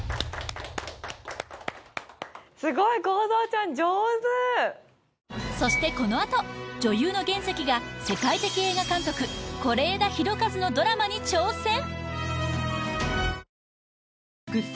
すごいそしてこのあと女優の原石が世界的映画監督是枝裕和のドラマに挑戦！